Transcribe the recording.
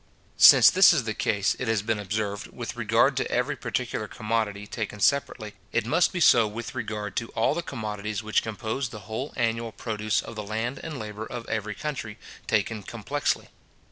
Since this is the case, it has been observed, with regard to every particular commodity, taken separately, it must be so with regard to all the commodities which compose the whole annual produce of the land and labour of every country, taken complexly.